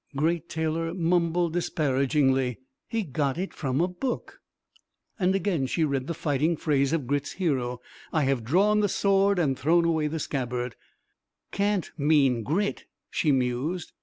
Great Taylor mumbled disparagingly, "He got it from a book!" And again she read the fighting phrase of Grit's hero: "I have drawn the sword and thrown away the scabbard." "Can't mean Grit," she mused.